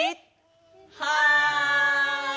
はい！